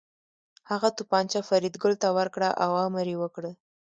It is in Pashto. هغه توپانچه فریدګل ته ورکړه او امر یې وکړ